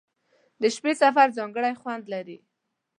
• د شپې سفر ځانګړی خوند لري.